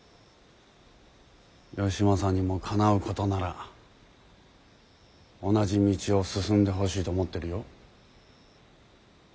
義正にもかなうことなら同じ道を進んでほしいと思ってるよ。